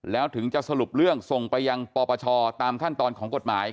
แล้วถึงจะสรุปเรื่องส่งไปยังปปชตามขั้นตอนของกฎหมาย